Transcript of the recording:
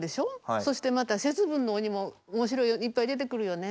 そしてまた節分の鬼もおもしろいのいっぱい出てくるよね。